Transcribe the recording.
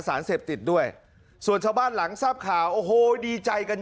สารเสพติดด้วยส่วนชาวบ้านหลังทราบข่าวโอ้โหดีใจกัน